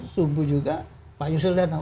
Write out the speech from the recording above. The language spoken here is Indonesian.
subuh juga pak yusril datang